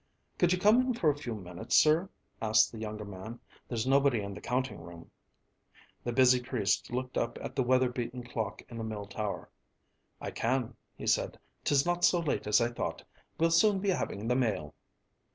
"Could you come in for a few minutes, sir?" asked the younger man. "There's nobody in the counting room." The busy priest looked up at the weather beaten clock in the mill tower. "I can," he said. "'Tis not so late as I thought. We'll soon be having the mail."